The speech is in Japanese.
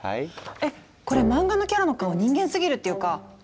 えっこれ漫画のキャラの顔人間すぎるっていうか